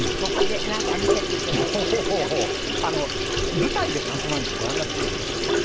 舞台でパントマイムってご覧になった事ありますか？